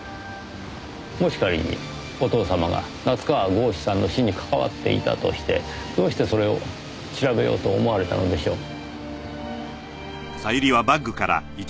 もし仮にお父様が夏河郷士さんの死に関わっていたとしてどうしてそれを調べようと思われたのでしょう？